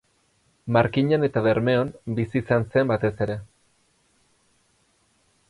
Markinan eta Bermeon bizi izan zen batez ere.